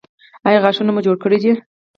ایا غاښونه مو جوړ کړي دي؟